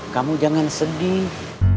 kamu jangan sedih